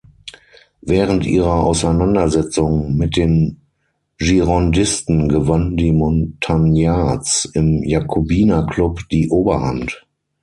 Während ihrer Auseinandersetzung mit den Girondisten gewannen die Montagnards im Jakobinerklub die Oberhand.